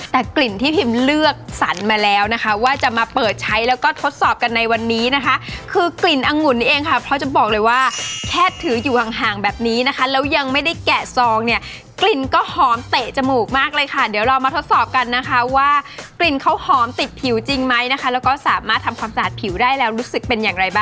แต่กลิ่นที่พิมเลือกสรรมาแล้วนะคะว่าจะมาเปิดใช้แล้วก็ทดสอบกันในวันนี้นะคะคือกลิ่นอังุ่นนี่เองค่ะเพราะจะบอกเลยว่าแค่ถืออยู่ห่างห่างแบบนี้นะคะแล้วยังไม่ได้แกะซองเนี่ยกลิ่นก็หอมเตะจมูกมากเลยค่ะเดี๋ยวเรามาทดสอบกันนะคะว่ากลิ่นเขาหอมติดผิวจริงไหมนะคะแล้วก็สามารถทำความสะอาดผิวได้แล้วรู้สึกเป็นอย่างไรบ้าง